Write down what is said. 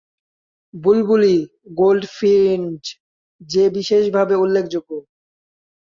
বুলবুলি, goldfinch, jay বিশেষভাবে উল্লেখযোগ্য।